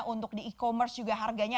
untuk di e commerce juga harganya